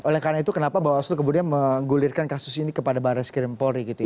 oleh karena itu kenapa bapak oslo kemudian menggulirkan kasus ini kepada baris kirimpolri gitu